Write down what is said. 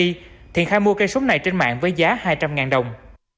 thiện khai mua cây súng này trên mạng với giá hai trăm linh đồng